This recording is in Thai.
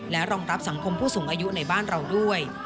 และรองรับสังคมผู้สูงอายุในบ้านเราด้วย